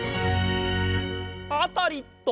アタリット！